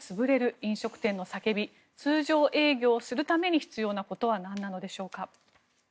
飲食店の叫び通常営業するために必要なことはなんなのでしょうか。